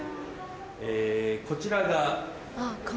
えこちらが。